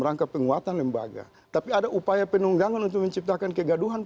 rangka penguatan lembaga tapi ada upaya penunggangan untuk menciptakan kegaduhan